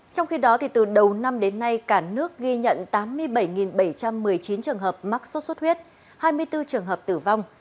trong khi đó từ đầu năm đến nay cả nước ghi nhận tám mươi bảy bảy trăm một mươi chín trường hợp mắc sốt xuất huyết hai mươi bốn trường hợp tử vong